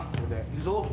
いくぞ。